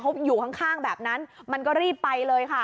เขาอยู่ข้างแบบนั้นมันก็รีบไปเลยค่ะ